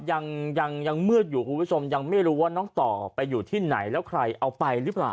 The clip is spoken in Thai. ยังยังมืดอยู่คุณผู้ชมยังไม่รู้ว่าน้องต่อไปอยู่ที่ไหนแล้วใครเอาไปหรือเปล่า